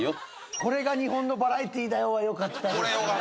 「コレが日本のバラエティだよ」はよかったですね。